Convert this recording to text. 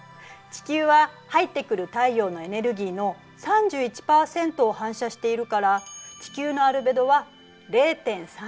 地球は入ってくる太陽のエネルギーの３１％を反射しているから地球のアルベドは０．３１ということ。